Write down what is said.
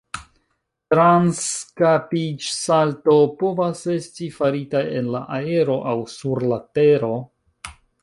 Transkapiĝsalto povas esti farita en la aero aŭ sur la tero.